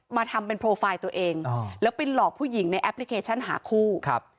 ทำเป็นโปรไฟล์ตัวเองแล้วไปหลอกผู้หญิงในแอปพลิเคชันหาคู่ครับ